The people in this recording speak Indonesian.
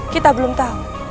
kita belum tahu